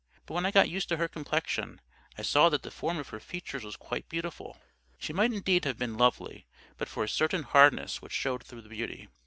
But when I got used to her complexion, I saw that the form of her features was quite beautiful. She might indeed have been LOVELY but for a certain hardness which showed through the beauty.